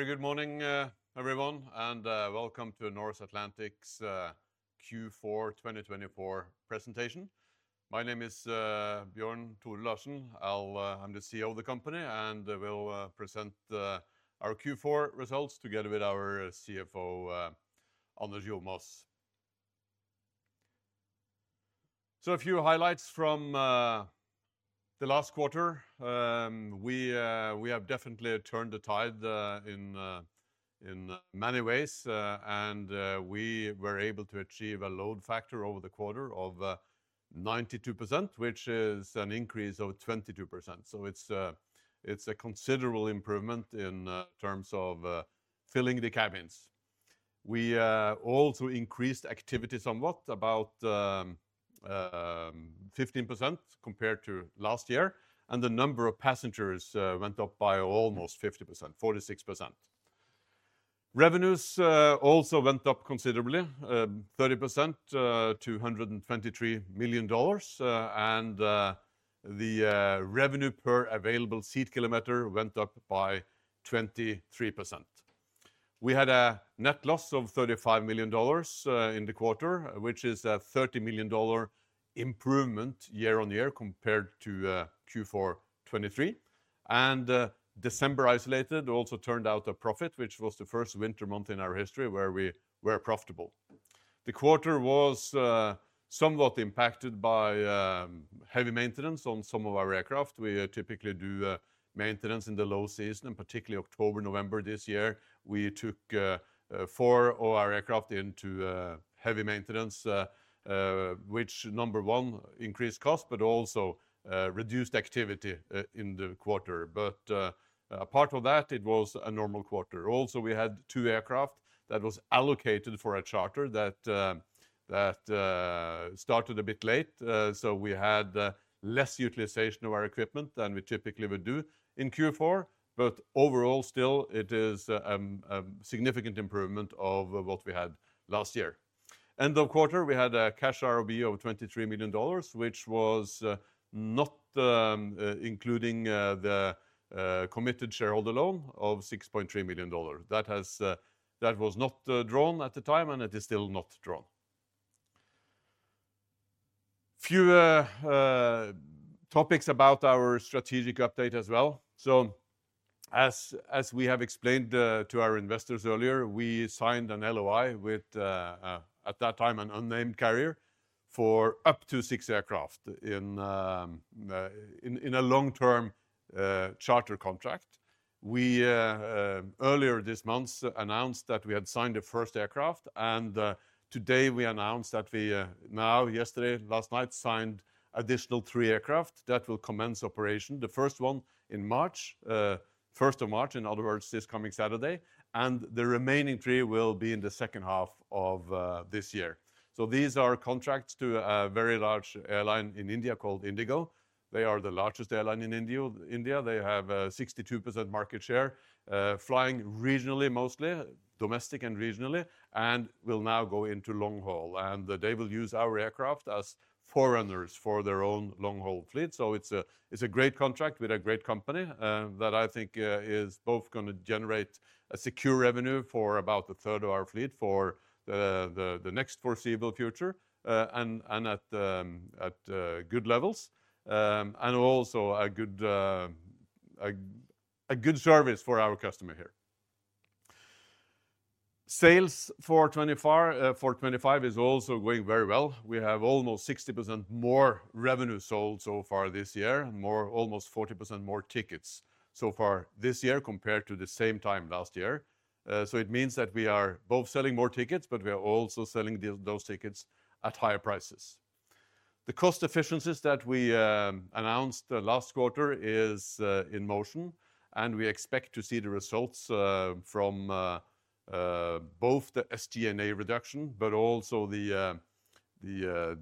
Very good morning, everyone, and welcome to Norse Atlantic Q4 2024 presentation. My name is Bjørn Tore Larsen. I'm the CEO of the company, and I will present our Q4 results together with our CFO, Anders Jomaas. A few highlights from the last quarter. We have definitely turned the tide in many ways, and we were able to achieve a load factor over the quarter of 92%, which is an increase of 22%. It's a considerable improvement in terms of filling the cabins. We also increased activity somewhat, about 15% compared to last year, and the number of passengers went up by almost 50%, 46%. Revenues also went up considerably, 30%, to $123 million, and the revenue per available seat kilometer went up by 23%. We had a net loss of $35 million in the quarter, which is a $30 million improvement year on year compared to Q4 2023. December isolated also turned out a profit, which was the first winter month in our history where we were profitable. The quarter was somewhat impacted by heavy maintenance on some of our aircraft. We typically do maintenance in the low season, and particularly October, November this year, we took four of our aircraft into heavy maintenance, which, number one, increased costs, but also reduced activity in the quarter. Apart from that, it was a normal quarter. Also, we had two aircraft that were allocated for a charter that started a bit late. We had less utilization of our equipment than we typically would do in Q4, but overall still, it is a significant improvement of what we had last year. End of quarter, we had a cash ROB of $23 million, which was not including the committed shareholder loan of $6.3 million. That was not drawn at the time, and it is still not drawn. Few topics about our strategic update as well. As we have explained to our investors earlier, we signed an LOI with, at that time, an unnamed carrier for up to six aircraft in a long-term charter contract. We earlier this month announced that we had signed the first aircraft, and today we announced that we now, yesterday, last night, signed additional three aircraft that will commence operation. The March 1st, in other words, this coming Saturday, and the remaining three will be in the second half of this year. These are contracts to a very large airline in India called IndiGo. They are the largest airline in India. They have 62% market share, flying regionally, mostly domestic and regionally, and will now go into long haul, and they will use our aircraft as forerunners for their own long haul fleet. It is a great contract with a great company, that I think is both going to generate a secure revenue for about a third of our fleet for the next foreseeable future, and at good levels, and also a good service for our customer here. Sales for 2024, for 2025 is also going very well. We have almost 60% more revenue sold so far this year, almost 40% more tickets so far this year compared to the same time last year. It means that we are both selling more tickets, but we are also selling those tickets at higher prices. The cost efficiencies that we announced last quarter are in motion, and we expect to see the results from both the SG&A reduction, but also the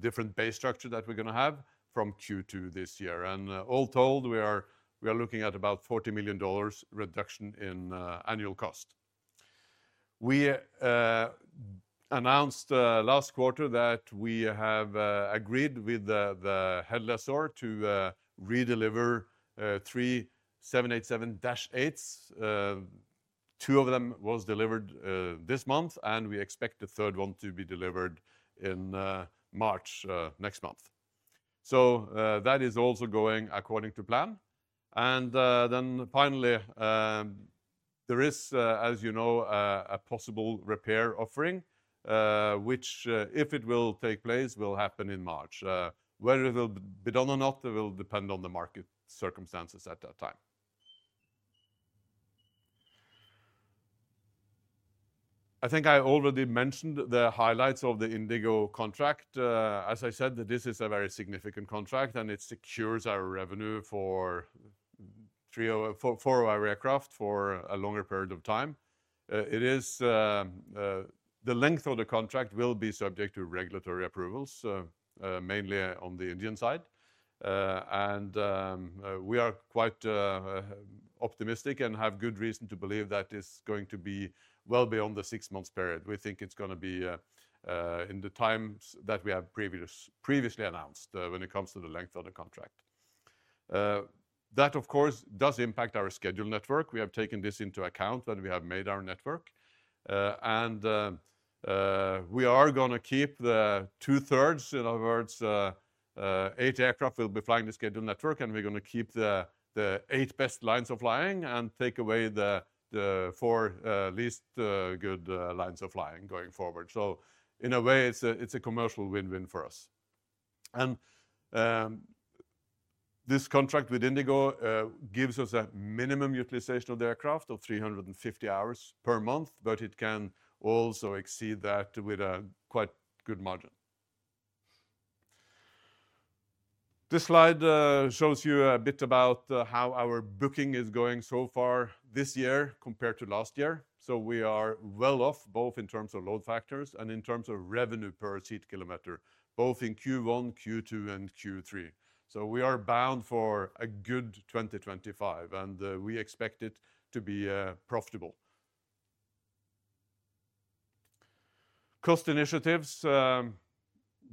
different base structure that we're going to have from Q2 this year. All told, we are looking at about $40 million reduction in annual cost. We announced last quarter that we have agreed with the head lessor to redeliver three 787-8s. of them were delivered this month, and we expect the third one to be delivered in March, next month. That is also going according to plan. Finally, there is, as you know, a possible repair offering, which, if it will take place, will happen in March. Whether it will be done or not will depend on the market circumstances at that time. I think I already mentioned the highlights of the IndiGo contract. As I said, this is a very significant contract, and it secures our revenue for three or four of our aircraft for a longer period of time. The length of the contract will be subject to regulatory approvals, mainly on the Indian side. We are quite optimistic and have good reason to believe that it's going to be well beyond the six months period. We think it's going to be in the times that we have previously announced when it comes to the length of the contract. That, of course, does impact our schedule network. We have taken this into account when we have made our network. We are going to keep the 2/3, in other words, eight aircraft will be flying the schedule network, and we're going to keep the eight best lines of flying and take away the four least good lines of flying going forward. In a way, it's a commercial win-win for us. This contract with IndiGo gives us a minimum utilization of the aircraft of 350 hours per month, but it can also exceed that with a quite good margin. This slide shows you a bit about how our booking is going so far this year compared to last year. We are well off both in terms of load factors and in terms of revenue per seat kilometer, both in Q1, Q2, and Q3. We are bound for a good 2025, and we expect it to be profitable. Cost initiatives,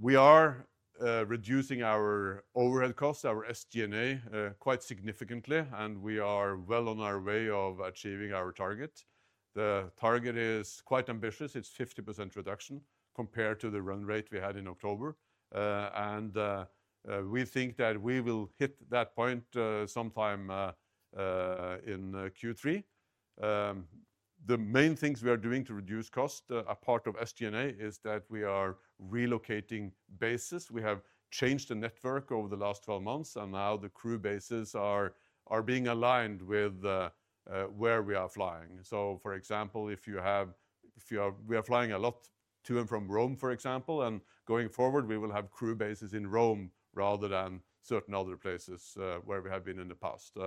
we are reducing our overhead costs, our SG&A, quite significantly, and we are well on our way of achieving our target. The target is quite ambitious. It is 50% reduction compared to the run rate we had in October, and we think that we will hit that point sometime in Q3. The main things we are doing to reduce cost, a part of SG&A is that we are relocating bases. We have changed the network over the last 12 months, and now the crew bases are being aligned with where we are flying. For example, if you have, if you are, we are flying a lot to and from Rome, for example, and going forward, we will have crew bases in Rome rather than certain other places where we have been in the past.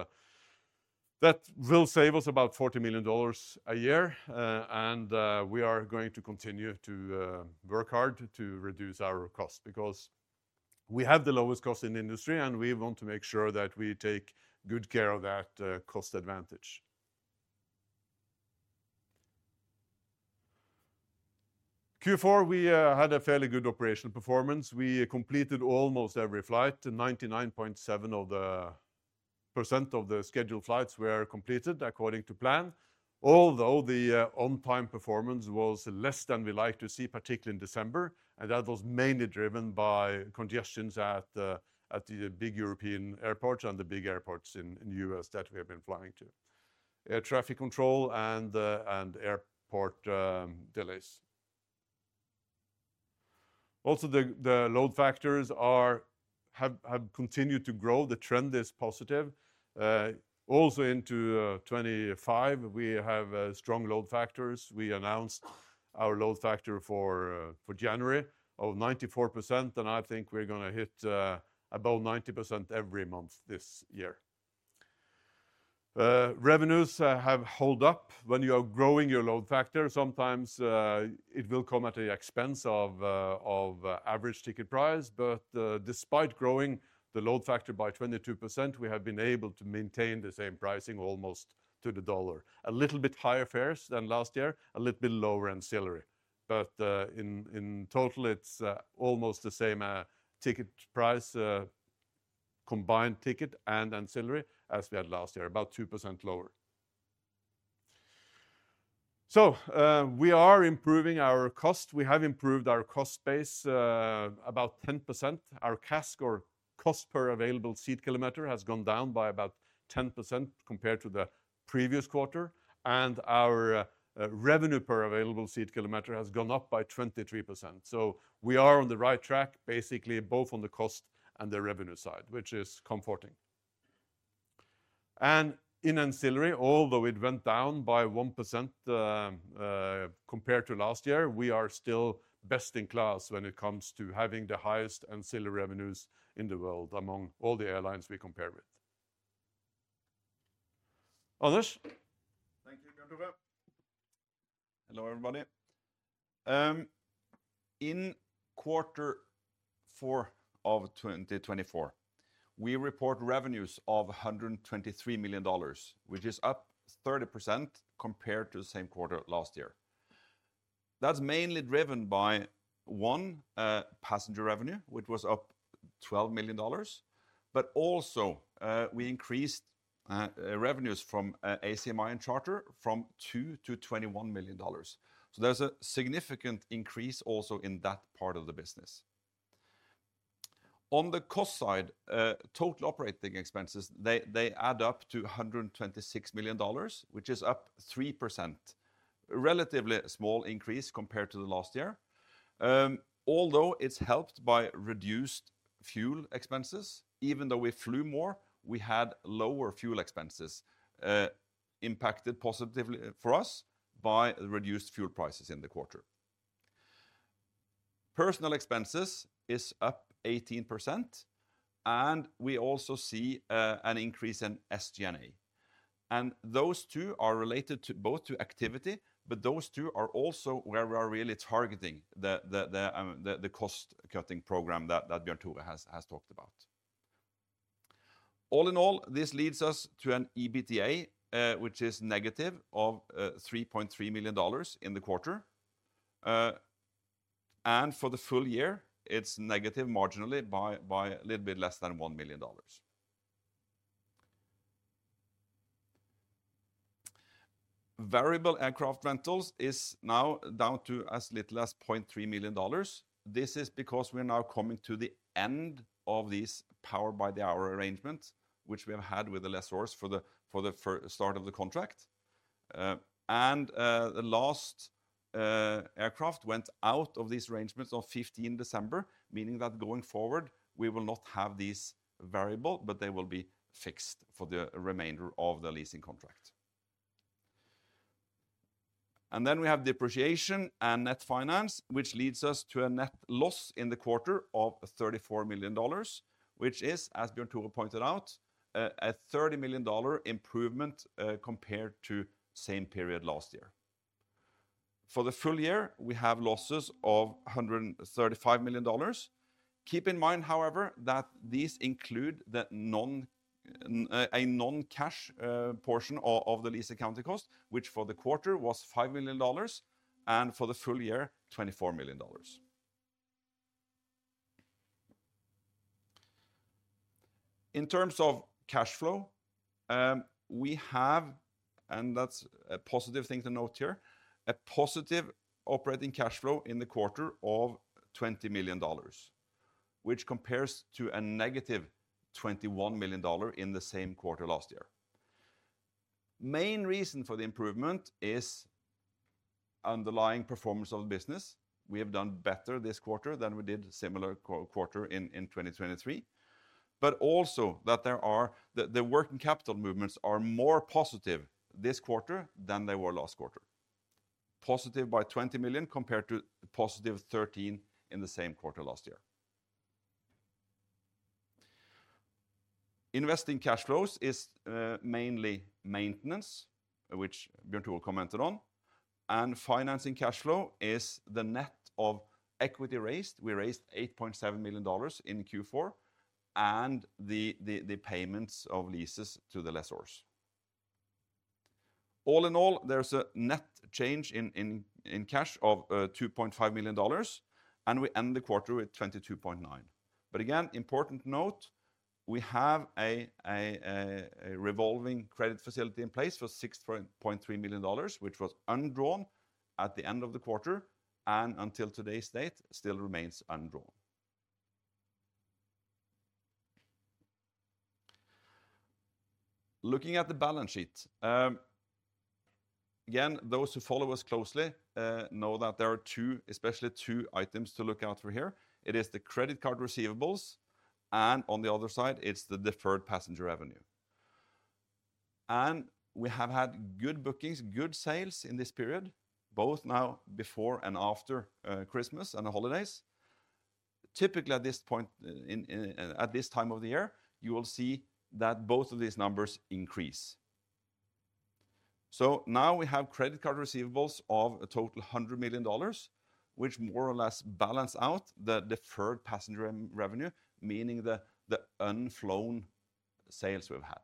That will save us about $40 million a year. We are going to continue to work hard to reduce our cost because we have the lowest cost in the industry, and we want to make sure that we take good care of that cost advantage. Q4, we had a fairly good operational performance. We completed almost every flight. 99.7% of the scheduled flights were completed according to plan, although the on-time performance was less than we liked to see, particularly in December, and that was mainly driven by congestions at the big European airports and the big airports in the U.S. that we have been flying to. Air traffic control and airport delays. Also, the load factors have continued to grow. The trend is positive. Also into 2025, we have strong load factors. We announced our load factor for January of 94%, and I think we're going to hit about 90% every month this year. Revenues have held up when you are growing your load factor. Sometimes, it will come at the expense of average ticket price, but despite growing the load factor by 22%, we have been able to maintain the same pricing almost to the dollar. A little bit higher fares than last year, a little bit lower ancillary. In total, it's almost the same ticket price, combined ticket and ancillary as we had last year, about 2% lower. We are improving our cost. We have improved our cost base about 10%. Our CASK, or cost per available seat kilometer, has gone down by about 10% compared to the previous quarter, and our revenue per available seat kilometer has gone up by 23%. We are on the right track, basically both on the cost and the revenue side, which is comforting. In ancillary, although it went down by 1% compared to last year, we are still best in class when it comes to having the highest ancillary revenues in the world among all the airlines we compare with, Anders. Thank you, Bjørn Tore Larsen. Hello everybody. In quarter four of 2024, we report revenues of $123 million, which is up 30% compared to the same quarter last year. That's mainly driven by, one, passenger revenue, which was up $12 million, but also, we increased revenues from ACMI and charter from $2 million to $21 million. There is a significant increase also in that part of the business. On the cost side, total operating expenses add up to $126 million, which is up 3%. Relatively small increase compared to the last year. Although it's helped by reduced fuel expenses, even though we flew more, we had lower fuel expenses, impacted positively for us by the reduced fuel prices in the quarter. Personnel expenses is up 18%, and we also see an increase in SG&A. Those two are related to activity, but those two are also where we are really targeting the cost cutting program that Bjørn Tore has talked about. All in all, this leads us to an EBITDA, which is negative of $3.3 million in the quarter. For the full year, it's negative marginally by a little bit less than $1 million. Variable aircraft rentals is now down to as little as $0.3 million. This is because we're now coming to the end of these power by the hour arrangements, which we have had with the lessors for the, for the start of the contract. The last aircraft went out of these arrangements on December 15, meaning that going forward, we will not have these variable, but they will be fixed for the remainder of the leasing contract. We have depreciation and net finance, which leads us to a net loss in the quarter of $34 million, which is, as Bjørn Tore pointed out, a $30 million improvement, compared to the same period last year. For the full year, we have losses of $135 million. Keep in mind, however, that these include the non, a non-cash, portion of the lease accounting cost, which for the quarter was $5 million, and for the full year, $24 million. In terms of cash flow, we have, and that's a positive thing to note here, a positive operating cash flow in the quarter of $20 million, which compares to a negative $21 million in the same quarter last year. Main reason for the improvement is underlying performance of the business. We have done better this quarter than we did similar quarter in 2023, but also that the working capital movements are more positive this quarter than they were last quarter. Positive by $20 million compared to positive $13 million in the same quarter last year. Investing cash flows is mainly maintenance, which Bjørn Tore commented on, and financing cash flow is the net of equity raised. We raised $8.7 million in Q4 and the payments of leases to the lessors. All in all, there's a net change in cash of $2.5 million, and we end the quarter with $22.9 million. Again, important note, we have a revolving credit facility in place for $6.3 million, which was undrawn at the end of the quarter and until today's date still remains undrawn. Looking at the balance sheet, those who follow us closely know that there are two, especially two items to look out for here. It is the credit card receivables, and on the other side, it's the deferred passenger revenue. We have had good bookings, good sales in this period, both now before and after Christmas and the holidays. Typically at this point in, at this time of the year, you will see that both of these numbers increase. Now we have credit card receivables of a total $100 million, which more or less balance out the deferred passenger revenue, meaning the unflown sales we've had.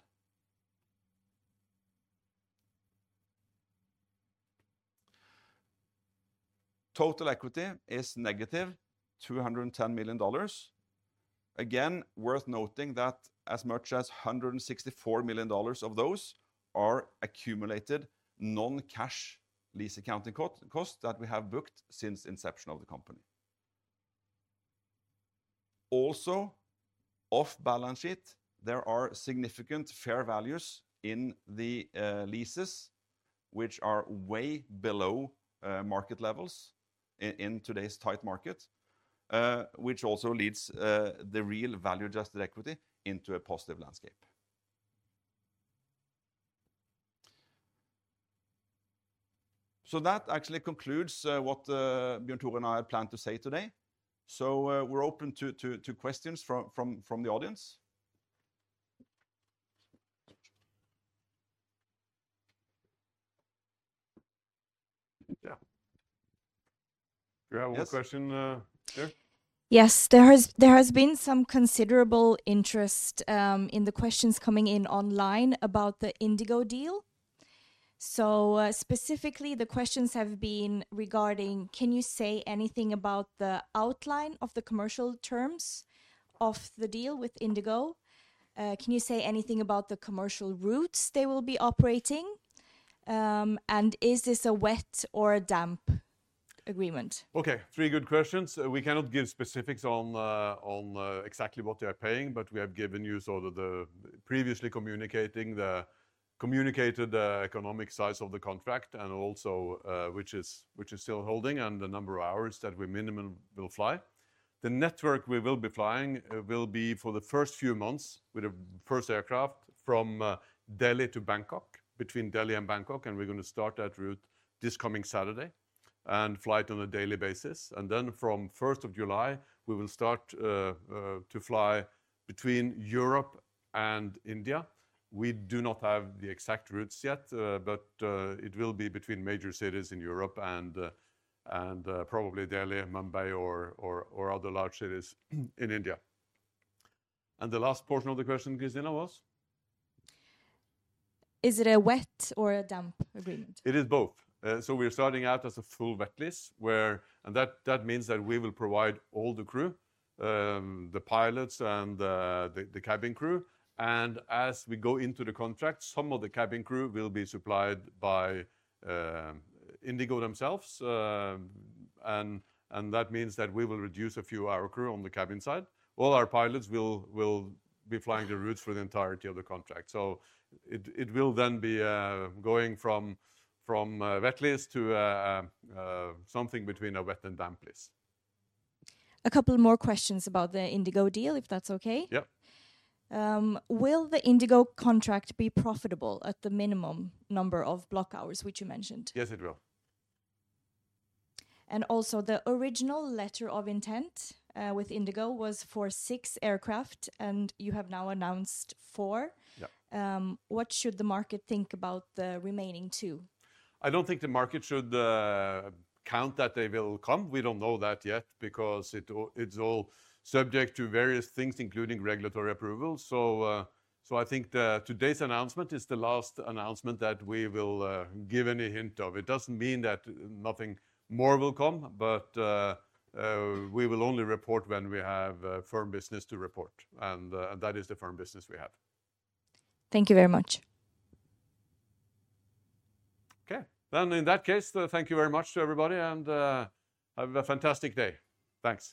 Total equity is negative $210 million. Again, worth noting that as much as $164 million of those are accumulated non-cash lease accounting costs that we have booked since inception of the company. Also, off balance sheet, there are significant fair values in the leases, which are way below market levels in today's tight market, which also leads the real value adjusted equity into a positive landscape. That actually concludes what Bjørn Tore and I had planned to say today. We're open to questions from the audience. Yeah. Do you have a question, Jørn? Yes, there has, there has been some considerable interest in the questions coming in online about the IndiGo deal. Specifically, the questions have been regarding, can you say anything about the outline of the commercial terms of the deal with IndiGo? Can you say anything about the commercial routes they will be operating? And is this a wet or a damp agreement? Okay, three good questions. We cannot give specifics on exactly what they are paying, but we have given you sort of the previously communicated economic size of the contract and also, which is still holding, and the number of hours that we minimum will fly. The network we will be flying will be for the first few months with the first aircraft from Delhi to Bangkok, between Delhi and Bangkok, and we're going to start that route this coming Saturday and fly it on a daily basis. From July 1st, we will start to fly between Europe and India. We do not have the exact routes yet, but it will be between major cities in Europe and probably Delhi, Mumbai, or other large cities in India. The last portion of the question, Christina, was? Is it a wet or a damp agreement? It is both. We are starting out as a full wet lease where, and that means that we will provide all the crew, the pilots and the cabin crew. As we go into the contract, some of the cabin crew will be supplied by IndiGo themselves, and that means that we will reduce a few of our crew on the cabin side. All our pilots will be flying the routes for the entirety of the contract. It will then be going from wet lease to something between a wet and damp lease. A couple more questions about the IndiGo deal, if that's okay. Yeah. Will the IndiGo contract be profitable at the minimum number of block hours, which you mentioned? Yes, it will. Also, the original letter of intent with IndiGo was for six aircraft, and you have now announced four. Yeah. What should the market think about the remaining two? I don't think the market should count that they will come. We don't know that yet because it's all subject to various things, including regulatory approvals. I think today's announcement is the last announcement that we will give any hint of. It doesn't mean that nothing more will come, but we will only report when we have firm business to report. That is the firm business we have. Thank you very much. Okay. In that case, thank you very much to everybody, and have a fantastic day. Thanks.